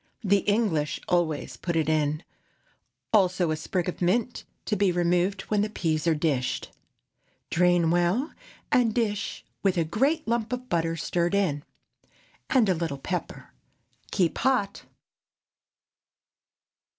The English always put it in, also a sprig of mint, to be removed when the peas are dished. Drain well, and dish, with a great lump of butter stirred in, and a little pepper. Keep hot.